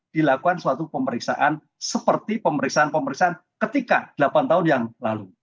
dilakukan suatu pemeriksaan seperti pemeriksaan pemeriksaan ketika delapan tahun yang lalu